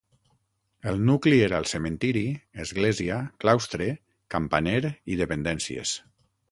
El nucli era el cementiri, església, claustre, campaner i dependències.